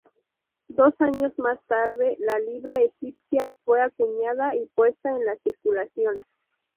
Dos años más tarde, la libra egipcia fue acuñada y puesta en la circulación.